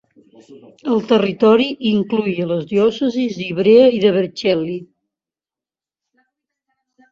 El territori incloïa les diòcesis d'Ivrea i de Vercelli.